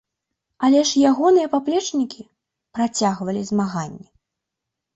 Але ж ягоныя паплечнікі працягвалі змаганне.